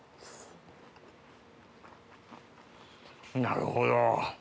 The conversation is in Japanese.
なるほど。